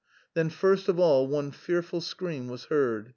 Then first of all one fearful scream was heard.